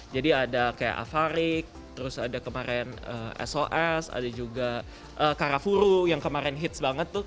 jadi ada kayak avaric terus ada kemarin sos ada juga karafuru yang kemarin hits banget tuh